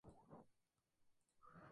y, de repente, la nada